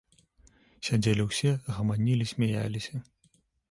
Сядзелі ўсё, гаманілі, смяяліся.